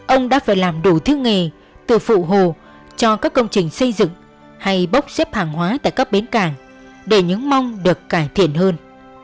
ông đã phải làm đủ thứ nghề tựa phụ hồ cho các công trình xây dựng hay bốc xếp hàng hóa tại các bến cảng để những mong được cải thiện hơn